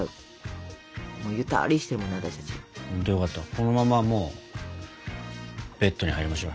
このままもうベッドに入りましょう。